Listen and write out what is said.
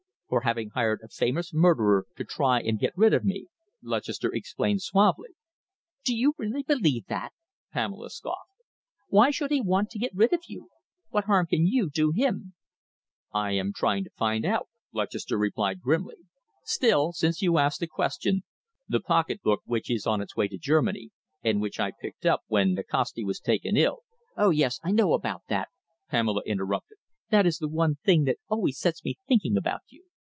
"For having hired a famous murderer to try and get rid of me." Lutchester explained suavely. "Do you really believe that?" Pamela scoffed. "Why should he want to get rid of you? What harm can you do him?" "I am trying to find out," Lutchester replied grimly. "Still, since you ask the question, the pocketbook which is on its way to Germany, and which I picked up when Nikasti was taken ill " "Oh, yes, I know about that!" Pamela interrupted. "That is the one thing that always sets me thinking about you.